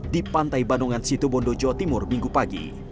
di pantai bandungan sitobondo jawa timur minggu pagi